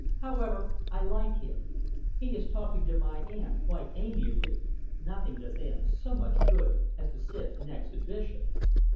However, I like him. He is talking to my aunt quite amiably. Nothing does aunt so much good as to sit next a bishop."